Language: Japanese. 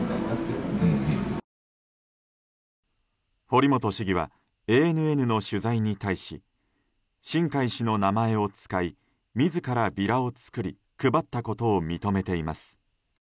堀本市議はＡＮＮの取材に対し新開氏の名前を使い自らビラを作り配ったことを認めています。